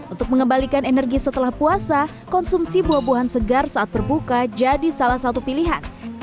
untuk mengembalikan energi setelah puasa konsumsi buah buahan segar saat berbuka jadi salah satu pilihan